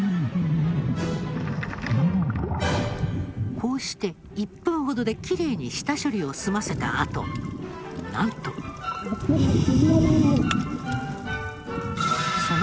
こうして１分ほどできれいに下処理を済ませたあとなんと。ハハハハ！